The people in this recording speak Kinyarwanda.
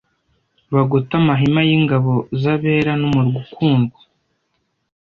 bagote amahema y’ingabo z’abera n’umurwa ukundwa.